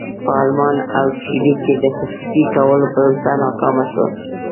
په المان او چیلي کې د خصوصي کولو پروسه ناکامه شوه.